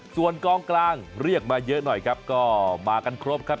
ส่วนกองกลางเรียกมาเยอะหน่อยครับก็มากันครบครับ